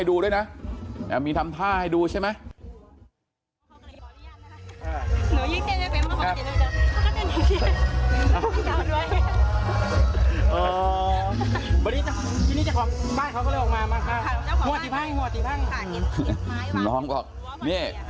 จ้าของบ้านหัวจีบห้างหัวจีบห้างค่ะล้อมออกเนี่ย